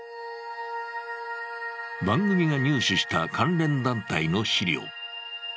番組が入手した関連団体の資料。